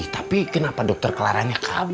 tapi kenapa dokter kelarannya kabur